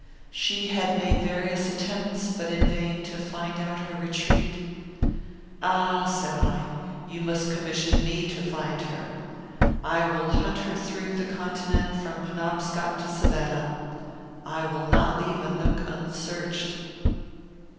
She had made various attempts, but in vain, to find out her retreat. "Ah!" said I, "you must commission me to find her. I will hunt her through the continent from Penobscot to Savannah. I will not leave a nook unsearched."